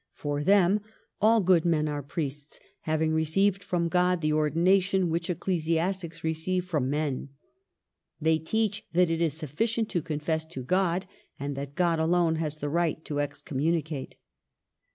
For them, all good men are priests, having re ceived from God the ordination which ecclesi astics receive from men. They teach that it is sufficient to confess to God, and that God alone has the right to excommunicate."